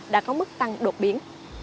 đã có mức tăng đột biến